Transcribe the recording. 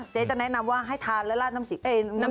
เจ๊จะแนะนำว่าให้ทานแล้วลาดน้ำจิก